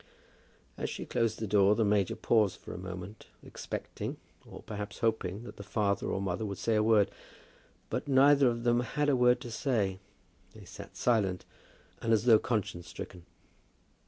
As she closed the door the major paused for a moment, expecting, or perhaps hoping, that the father or the mother would say a word. But neither of them had a word to say. They sat silent, and as though conscience stricken.